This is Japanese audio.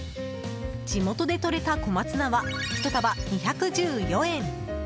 地元で採れた小松菜は１束２１４円。